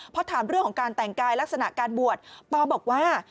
พอถามเรื่องของการแต่งกายลักษณะการบวชปอบอกว่า